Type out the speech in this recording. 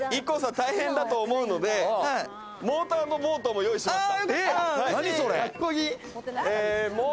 大変だと思うので、モーターボートも用意しました。